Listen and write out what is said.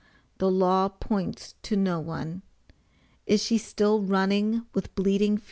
THE LAW POINTS TO NO ONE! IS SHE STILL RUNNING WITH BLEEDING FEET?